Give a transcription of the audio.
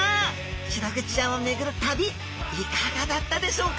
シログチちゃんを巡る旅いかがだったでしょうか？